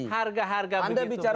harga harga begitu besar